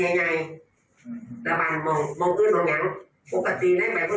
อ่าของพ่อก็ของหลักนั้นสุดท้ายพ่อ